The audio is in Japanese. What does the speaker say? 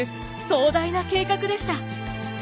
壮大な計画でした。